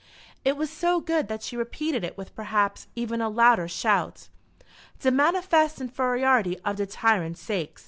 It was so good that she repeated it with, perhaps, even a louder shout. "De manifest infairiority of de tyrant saix